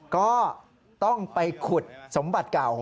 ก็ต้องไปขุดสมบัติเก่า